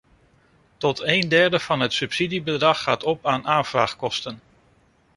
Tot een derde van het subsidiebedrag gaat op aan aanvraagkosten.